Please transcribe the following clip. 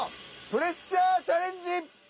プレッシャーチャレンジ！